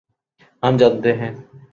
ہم جانتے ہیں۔